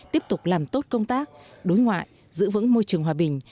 tiếp tục làm tốt công tác đối ngoại giữ vững môi trường hòa bình